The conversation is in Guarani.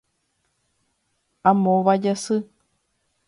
Amóva Jasy